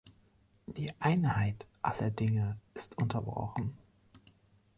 Die Einheit aller Dinge ist unterbrochen.